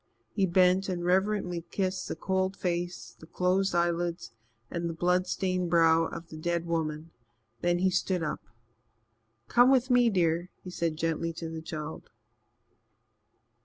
He bent and reverently kissed the cold face, the closed eyelids and the blood stained brow of the dead woman. Then he stood up. "Come with me, dear," he said gently to the child.